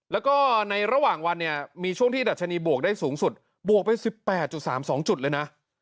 แล้วก็ในระหว่างวันเนี่ยมีช่วงที่ดัชนีบวกได้สูงสุดบวกไป๑๘๓๒จุดเลยนะ